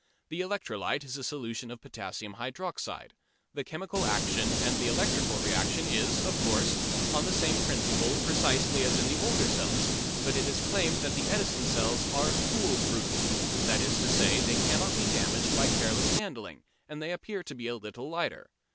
The electrolyte is a solution of potassium hydroxide. The chemical action and the electrical reaction is, of course, on the same principle precisely as in the older cells, but it is claimed that the Edison cells are "fool proof" that is to say, they cannot be damaged by careless handling, and they appear to be a little lighter.